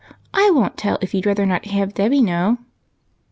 I won't tell if you 'd rather not have Dolly know."